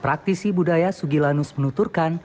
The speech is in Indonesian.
praktisi budaya sugilanus menuturkan